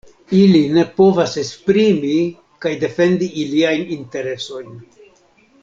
Ili ne povas esprimi kaj defendi iliajn interesojn.